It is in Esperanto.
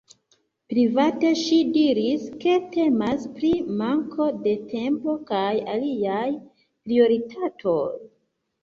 Private ŝi diris ke temas pri manko de tempo kaj aliaj prioritatoj.